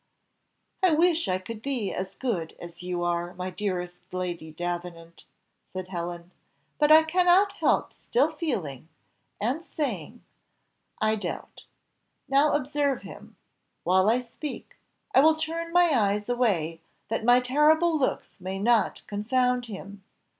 "I wish I could be as good as you are, my dearest Lady Davenant," said Helen; "but I cannot help still feeling, and saying, I doubt. Now observe him, while I speak; I will turn my eyes away, that my terrible looks may not confound him.